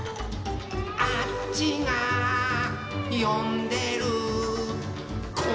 「あっちがよんでるー」